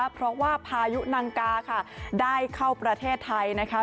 เพราะว่าพายุนังกาค่ะได้เข้าประเทศไทยนะคะ